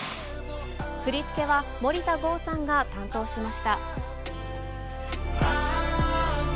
振り付けは森田剛さんが担当しました。